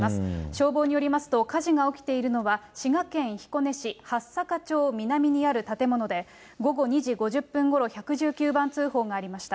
消防によりますと、火事が起きているのは、滋賀県彦根市はっさか町南にある建物で、午後２時５０分ごろ、１１９番通報がありました。